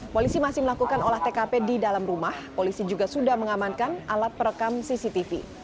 polisi masih melakukan olah tkp di dalam rumah polisi juga sudah mengamankan alat perekam cctv